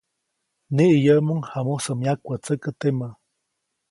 Niʼiyäʼmuŋ jamusä myakwätsäkä temä.